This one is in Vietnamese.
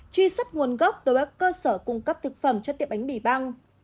truy xuất nguồn gốc đối với các cơ sở cung cấp thực phẩm cho tiệm bánh mì băng